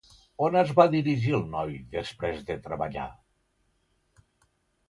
On es va dirigir el noi després de treballar?